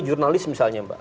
jurnalis misalnya mbak